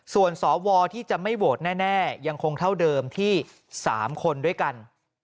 ส่วนสวที่จะไม่โหวตแน่ยังคงเท่าเดิมที่๓คนด้วยกัน